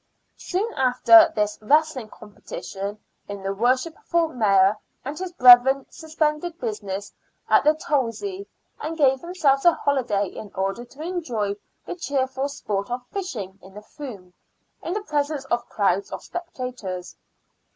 Soon after this wrestling competition the Worshipful Mayor and his brethren suspended business at the Tolzey, and gave themselves a holiday in order to enjoy the cheer ful sport of fishing in the Froom, in the presence of crowds of spectators.